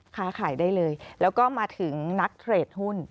ค้าขายได้เลยแล้วก็มาถึงนักเทรดหุ้น